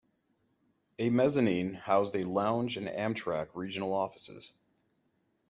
A mezzanine housed a lounge and Amtrak regional offices.